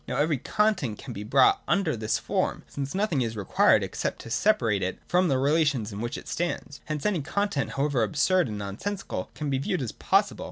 Now every content can be brought under this form, since nothing is required except to separate it from the relations in which it stands. Hence any content, however absurd and nonsensical, can be viewed as possible.